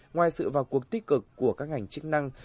ngoài sự vào cuộc tích cực của các ngành chức năng